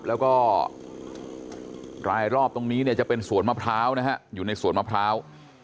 แล้วก็รายรอบตรงนี้เนี่ยจะเป็นสวนมะพร้าวนะฮะอยู่ในสวนมะพร้าว